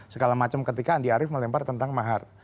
segala macam ketika andi arief melempar tentang mahar